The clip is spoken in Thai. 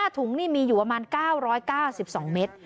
ถุงนี่มีอยู่ประมาณ๙๙๒เมตร